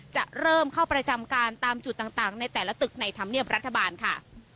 จะเริ่มเข้าประจำการตามจุดต่างในแต่ละตึกในธรรมเนียบรัฐบาลค่ะ